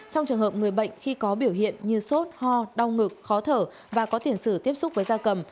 trong trường hợp người bệnh khi có biểu hiện như sốt ho đau ngực khó thở và có tiền sử tiếp xúc với da cầm